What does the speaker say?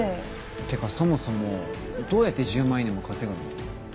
ってかそもそもどうやって１０万イイネも稼ぐの？